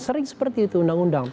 sering seperti itu undang undang